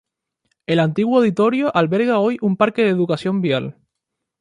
El antiguo auditorio alberga hoy un Parque de Educación Vial.